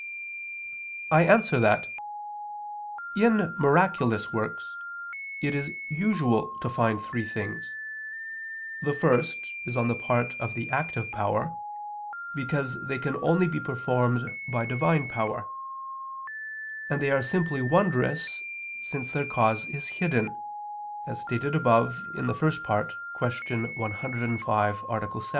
I answer that, In miraculous works it is usual to find three things: the first is on the part of the active power, because they can only be performed by Divine power; and they are simply wondrous, since their cause is hidden, as stated above (I, Q. 105, A. 7).